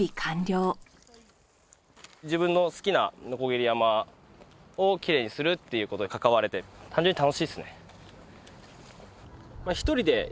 自分の好きな鋸山をきれいにするということに関われて単純に楽しいですね。